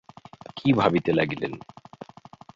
কি ভাবিতে লাগিলেন।